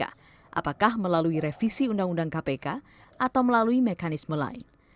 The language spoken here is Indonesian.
apakah melalui revisi undang undang kpk atau melalui mekanisme lain